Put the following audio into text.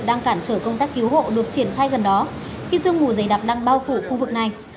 đang cản trở công tác cứu hộ được triển khai gần đó khi sương mù dày đặc đang bao phủ khu vực này